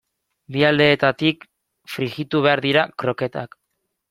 Bi aldeetatik frijitu behar dira kroketak.